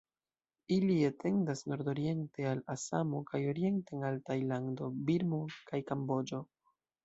Ili etendas nordoriente al Asamo kaj orienten al Tajlando, Birmo kaj Kamboĝo.